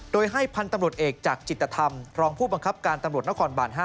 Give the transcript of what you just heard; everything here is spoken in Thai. โดยให้พันธุ์ตำรวจเอกจากจิตธรรมรองผู้บังคับการตำรวจนครบาน๕